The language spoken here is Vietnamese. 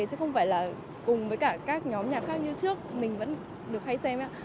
chứ không phải là cùng với cả các nhóm nhạc khác như trước mình vẫn được hay xem